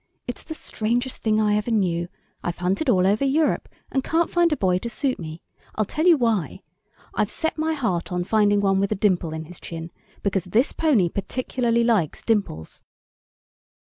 It's the strangest thing I ever knew; I've hunted all over Europe, and can't find a boy to suit me! I'll tell you why. I've set my heart on finding one with a dimple in his chin, because this pony particularly likes dimples!